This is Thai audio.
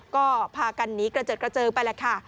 ก็พากันนี้กระเจิดกระเจอไปแหละค่ะ